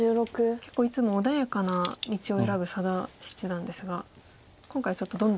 結構いつも穏やかな道を選ぶ佐田七段ですが今回ちょっとどんどん。